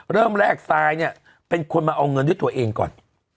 เริ่มแรกสายเป็นคนมาเอาเงินให้ตัวเองก่อน